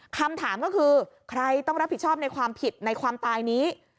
คำถามก็คือใครต้องรับผิดชอบในความผิดในความตายนี้